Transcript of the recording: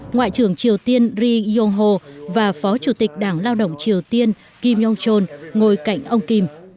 ngoại trưởng triều tiên ri yong ho và phó chủ tịch đảng lao động triều tiên kim jong chol ngồi cạnh ông kim